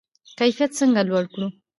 کیفیت څنګه لوړ کړو؟